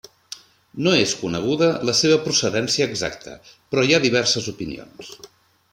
No és coneguda la seva procedència exacta però hi ha diverses opinions.